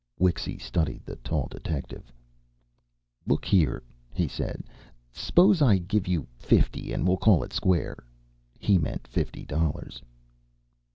Wixy studied the tall detective. "Look here," he said. "S'pose I give you fifty and we call it square." He meant fifty dollars.